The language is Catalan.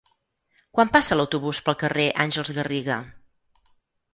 Quan passa l'autobús pel carrer Àngels Garriga?